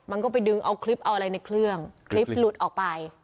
มันก็ไปดึงเอาคลิปเอาอะไรในเครื่องคลิปหลุดออกไป